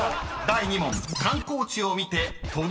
［第２問］